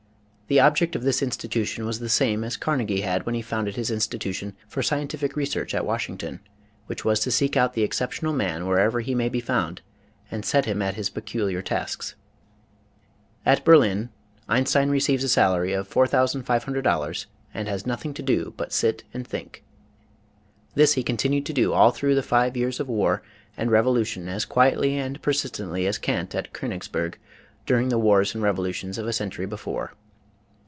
The object of this institution was the same as Carnegie had when he founded his institution for scientific research at Washington, which was to seek out the exceptional man wherever he may WHO IS EINSTEIN? 79 be found and set him at his peculiar tasks. At Berlin Einstein receives a salary of $4,500 and has nothing to do but sit. and think. This he continued to do all through the five years of war and revolution as quietly and persistently as Kant at Konigsberg during the wars and revolutions of a century before.